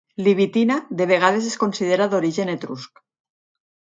Libitina de vegades es considera d'origen etrusc.